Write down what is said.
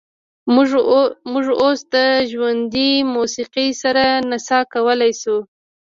موږ اوس د ژوندۍ موسیقۍ سره نڅا کولی شو